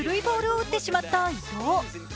ボールを打ってしまった伊藤。